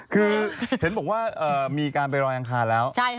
คือเห็นบอกว่ามีการไปรอยอังคารแล้ว